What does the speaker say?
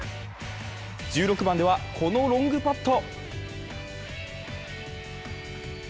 １６番では、このロングパット。